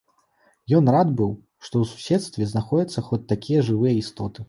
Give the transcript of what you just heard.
Ён рад быў, што ў суседстве знаходзяцца хоць такія жывыя істоты.